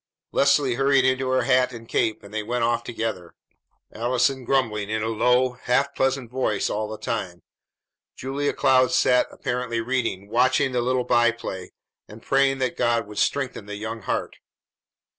Leslie hurried into her hat and cape, and they went off together, Allison grumbling in a low, half pleasant voice all the time. Julia Cloud sat apparently reading, watching the little byplay, and praying that God would strengthen the young heart.